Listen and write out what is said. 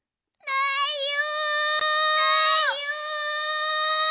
ないよ！